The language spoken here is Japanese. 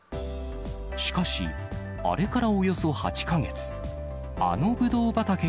しかし、あれからおよそ８か月。